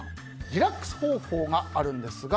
リラックス方法があるんですが